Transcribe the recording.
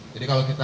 jadi kalau kita